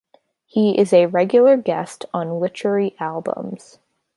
He is a regular guest on Witchery albums.